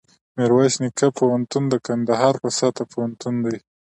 میرویس نیکه پوهنتون دکندهار په سطحه پوهنتون دی